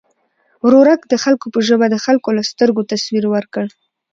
ورورک د خلکو په ژبه د خلکو له سترګو تصویر ورکړ.